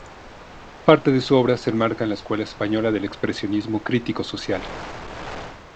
Parte de su obra se enmarca en la escuela española del expresionismo crítico social.